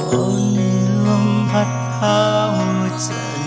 เพราะในลมพัดพาหัวใจพี่ไปถึง